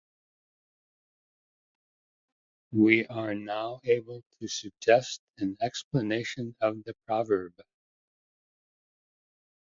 We are now able to suggest an explanation of the proverb.